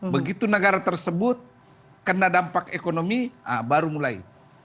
begitu negara tersebut kena dampak ekonomi baru mulai